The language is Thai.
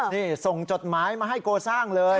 นี่ส่งจดหมายมาให้โกซ่าเลย